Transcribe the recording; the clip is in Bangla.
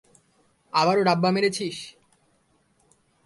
আবারও ডাব্বা মেরেছিস?